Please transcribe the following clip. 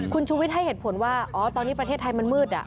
คุณชูวิทย์ให้เหตุผลว่าอ๋อตอนนี้ประเทศไทยมันมืด